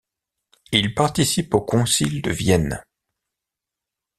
Il participe au concile de Vienne.